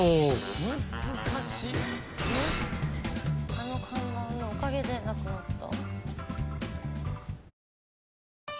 あの看板のおかげでなくなった。